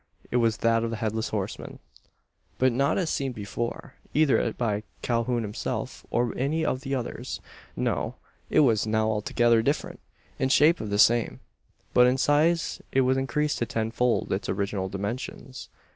It was that of the Headless Horseman. But not as seen before either by Calhoun himself, or any of the others. No. It was now altogether different. In shape the same; but in size it was increased to tenfold its original dimensions!